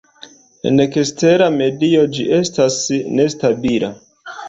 En ekstera medio ĝi estas nestabila.